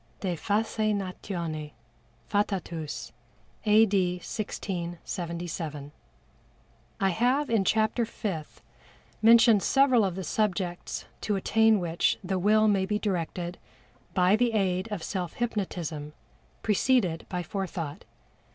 De Faseinatione Fatatus. A. D. 1677. I have in Chapter Fifth mentioned several of the subjects to attain which the Will may be directed by the aid of self hypnotism, preceded by Forethought.